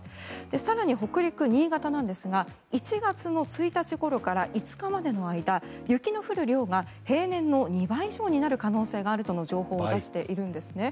更に、北陸、新潟なんですが１月の１日ごろから５日までの間雪の降る量が平年の２倍以上になる可能性があるとの情報を出しているんですね。